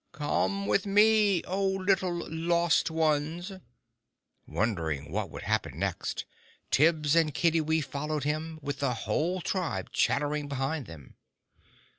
"Come with me, O little lost ones!" Wondering what would happen next, Tibbs and Kiddiwee followed him, with the whole tribe chattering behind them.